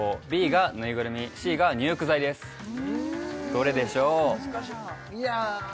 ＢがぬいぐるみＣが入浴剤ですどれでしょういや